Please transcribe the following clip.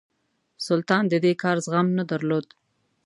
سلطان د دې کار زغم نه درلود.